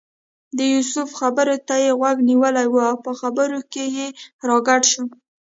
د یوسف خبرو ته یې غوږ نیولی و او په خبرو کې راګډ شو.